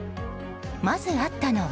まず会ったのは。